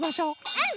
うん！